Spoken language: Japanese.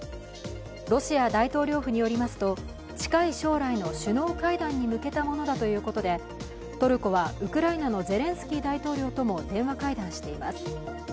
ロシア大統領府によりますと、近い将来の首脳会談に向けたものだということで、トルコはウクライナのゼレンスキー大統領とも電話会談しています。